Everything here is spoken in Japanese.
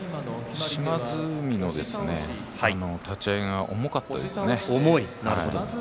島津海の立ち合いが重かったですね。